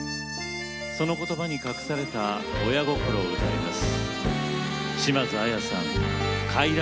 その言葉に隠された親心を歌います。